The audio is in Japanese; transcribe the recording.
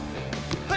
はい！